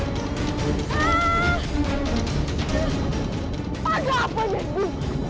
kau tak apa apa itu